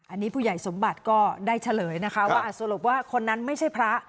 อันนี้ผู้ใหญ่สมบัติก็ได้เฉลยนะคะว่าสรุปว่าคนนั้นไม่ใช่พระ